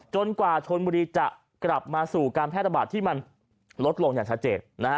กว่าชนบุรีจะกลับมาสู่การแพร่ระบาดที่มันลดลงอย่างชัดเจน